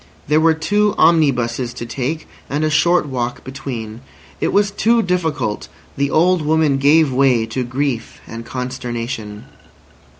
There were two omnibuses to take, and a short walk between. It was too difficult! The old woman gave way to grief and consternation.